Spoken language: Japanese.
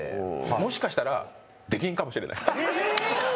もしかしたら出禁かもしれない。